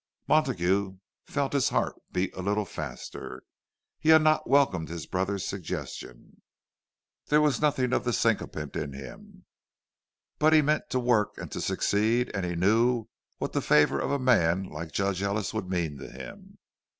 Montague felt his heart beat a little faster. He had not welcomed his brother's suggestion—there was nothing of the sycophant in him; but he meant to work and to succeed, and he knew what the favour of a man like Judge Ellis would mean to him.